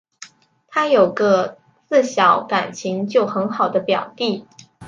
她有个自小感情就很好的表弟